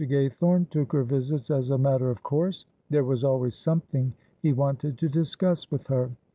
Gaythorne took her visits as a matter of course. There was always something he wanted to discuss with her.